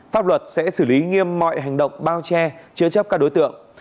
pháp luật sẽ xử lý nghiêm mọi hành động bao che chứa chấp các đối tượng